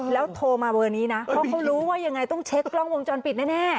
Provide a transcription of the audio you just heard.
แล้วโทรมาเบอร์นี้นะเพราะเขารู้ว่ายังไงต้องเช็คกล้องวงจรปิดแน่